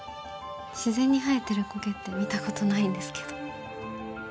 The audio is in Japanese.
自然に生えてる苔って見たことないんですけど。